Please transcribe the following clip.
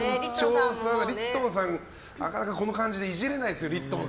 リットンさん、なかなかこの感じでイジれないですよ。